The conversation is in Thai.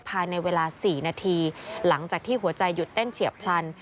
ภายในเวลา๔นาทีหลังจากที่หัวใจหยุดเต้นเฉียบพลัน